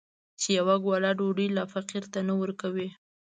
چې يوه ګوله ډوډۍ لا فقير ته نه ورکوي.